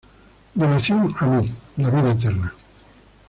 Donación a mí, la vida eterna.